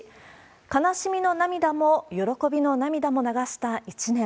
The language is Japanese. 悲しみの涙も喜びの涙も流した一年。